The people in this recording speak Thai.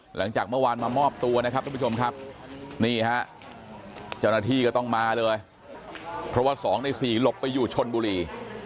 หลังจากเมื่อวานมามอบตัวนะครับทุกผู้ชมครับนี่ฮะเจ้าหน้าที่ก็ต้องมาเลยเพราะว่า๒ใน๔หลบไปอยู่ชนบุรี